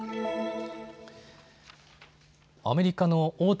アメリカの大手